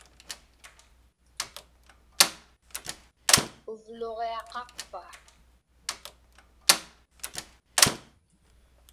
Uvluġiaqaqpa?